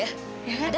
ada nggak ya